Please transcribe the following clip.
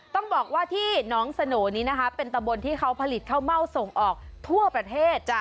ต้องบอกว่าที่น้องสโหน่นี้นะคะเป็นตำบลที่เขาผลิตข้าวเม่าส่งออกทั่วประเทศ